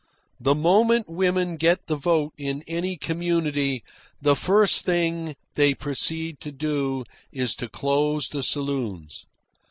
The moment women get the vote in any community, the first thing they proceed to do is to close the saloons.